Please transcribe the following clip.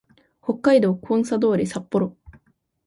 北海道コンサドーレ札幌